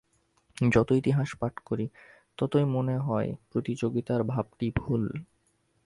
যতই ইতিহাস পাঠ করি, ততই মনে হয়, প্রতিযোগিতার ভাবটি ভুল।